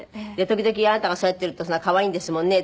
時々あなたがそうやっていると可愛いんですもんね。